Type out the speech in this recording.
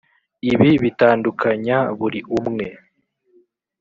ibi bitandukanya buri umwe,